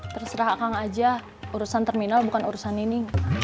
terserah kang aja urusan terminal bukan urusan ini